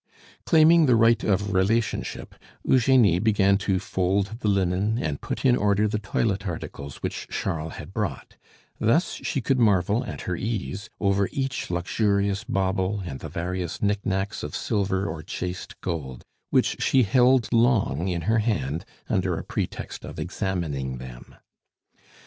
Claiming the right of relationship, Eugenie began to fold the linen and put in order the toilet articles which Charles had brought; thus she could marvel at her ease over each luxurious bauble and the various knick knacks of silver or chased gold, which she held long in her hand under a pretext of examining them.